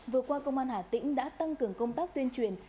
vừa qua công an hà tĩnh đã tăng cường công tác tuyên truyền